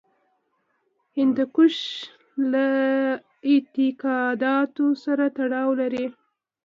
هندوکش له اعتقاداتو سره تړاو لري.